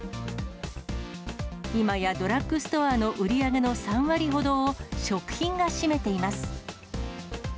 今やドラッグストアの売り上げの３割ほどを食品が占めています。